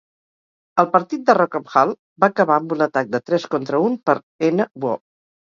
El partit de Rock amb Hall va acabar amb un atac de tres contra un per nWo.